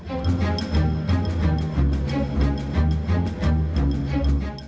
ketika dikejutkan polisi mengevakuasi jasad pria yang hanya mengevakuasi jasad pria yang hanya mengevakuasi jasad pria